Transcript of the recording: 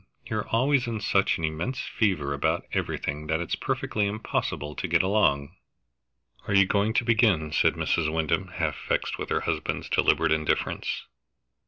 You're always in such an immense fever about everything that it's perfectly impossible to get along." "Are you going to begin?" said Mrs. Wyndham, half vexed with her husband's deliberate indifference.